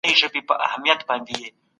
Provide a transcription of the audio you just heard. دوی د یو شان میتود څخه کار اخیست.